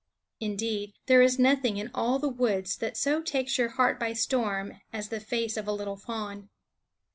Indeed, there is nothing in all the woods that so takes your heart by storm as the face of a little fawn.